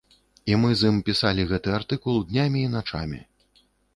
І мы з ім пісалі гэты артыкул днямі і начамі.